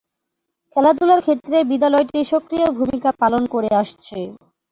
খেলাধুলার ক্ষেত্রে বিদ্যালয়টি সক্রিয় ভূমিকা পালন করে আসছে।